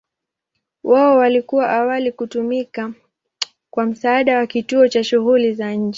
Wao walikuwa awali kutumika kwa msaada wa kituo cha shughuli za nje.